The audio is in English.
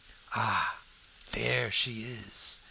"Ah! there she is!"